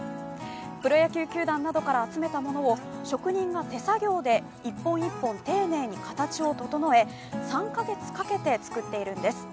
プロ野球球団などから集めたものを職人が手作業で一本一本丁寧に形を整え３か月かけて、作っているんです。